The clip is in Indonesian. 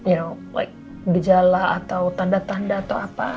you know like gejala atau tanda tanda atau apa